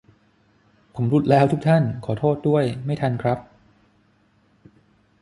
ผมหลุดแล้วทุกท่าน ขอโทษด้วย ไม่ทันครับ